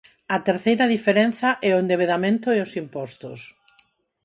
A terceira diferenza é o endebedamento e os impostos.